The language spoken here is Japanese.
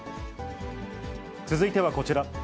続いてはこちら。